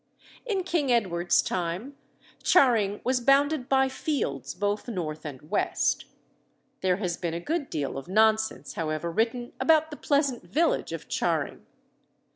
In King Edward's time Charing was bounded by fields, both north and west. There has been a good deal of nonsense, however, written about "the pleasant village of Charing."